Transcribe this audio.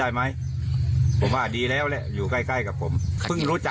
ส่วนปรมที่ดินยังไงเถอะ